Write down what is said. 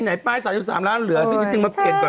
ไหนป้าย๓๓ล้านเหลือซึ่งนิดนึงมาเป็นก่อนมั้ย